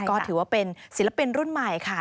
ก็ถือว่าเป็นศิลปินรุ่นใหม่ค่ะ